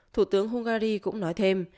thủ tướng hungary cũng nói thêm